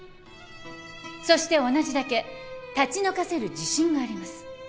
そして同じだけ立ち退かせる自信があります。